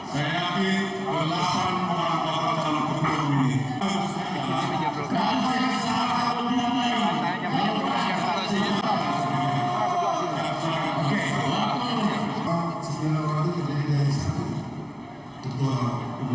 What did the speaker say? dan karena titik penelak diberikan di sini